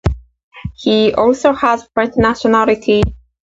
He also has French nationality.